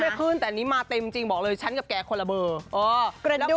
ขึ้นแต่อันนี้มาเต็มจริงบอกเลยฉันกับแกคนละเบอร์